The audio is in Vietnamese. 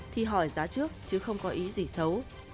thì hỏi giá trước chứ không có ý gì xấu